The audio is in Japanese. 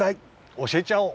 おしえちゃおう！